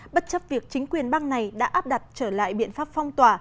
bất chấp việc chính quyền bang này đã áp đặt trở lại biện pháp phong tỏa